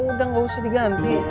udah gak usah diganti